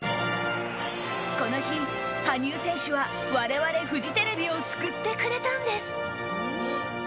この日、羽生選手は我々フジテレビを救ってくれたんです。